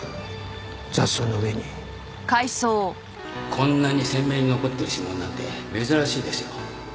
こんなに鮮明に残ってる指紋なんて珍しいですよ。